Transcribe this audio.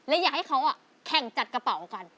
และอยากให้เขาแข่งจัดกระเป๋ากัน